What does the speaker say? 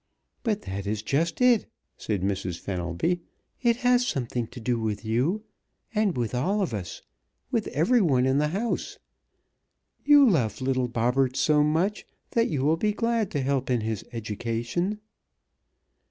"But that is just it," said Mrs. Fenelby. "It has something to do with you and with all of us. With everyone in this house. You love little Bobberts so much that you will be glad to help in his education."